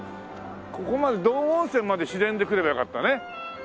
ここまで道後温泉まで市電で来ればよかったね。